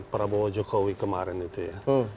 prabowo jokowi kemarin itu ya